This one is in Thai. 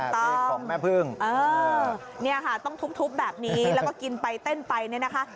ใต้กล่องแม่พึ่งเออเนี่ยค่ะต้องทุบแบบนี้แล้วก็กินไปเต้นไปเนี่ยนะคะ